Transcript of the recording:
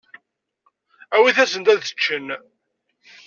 Awit-asen-d ad ččen.